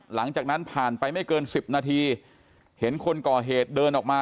หลังจากนั้นผ่านไปไม่เกิน๑๐นาทีเห็นคนก่อเหตุเดินออกมา